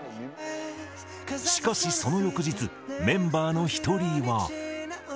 しかし、その翌日、メンバーの１人は。